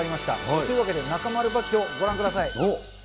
というわけで中丸刃牙をご覧ください。